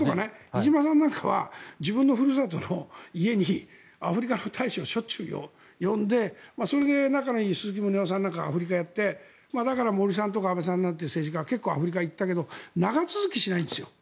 飯島さんなんかは自分のふるさとの家にアフリカの大使をしょっちゅう呼んでそれで仲がいい鈴木宗男さんとかをアフリカへやってだから森さんや安倍さんなんかっていう政治家は結構アフリカに行ったけど長続きしないんですよ。